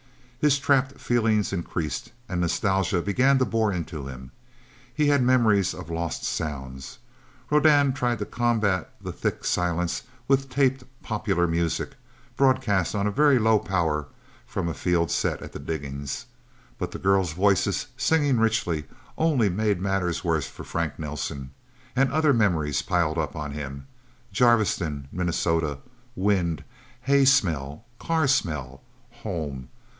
His trapped feeling increased, and nostalgia began to bore into him. He had memories of lost sounds. Rodan tried to combat the thick silence with taped popular music, broadcast on very low power from a field set at the diggings. But the girl voices, singing richly, only made matters worse for Frank Nelsen. And other memories piled up on him: Jarviston, Minnesota. Wind. Hay smell, car smell. Home...